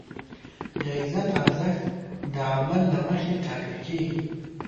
د عزت ارزښت د عمل له مخې ټاکل کېږي.